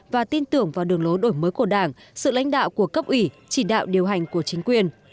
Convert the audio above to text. và tin tưởng vào đường lối đổi mới của đảng sự lãnh đạo của cấp ủy chỉ đạo điều hành của chính quyền